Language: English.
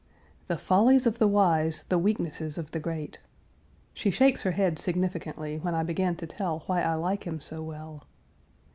The follies of the wise, the weaknesses of the great! She shakes her head significantly when I beg in to tell why I like him so well.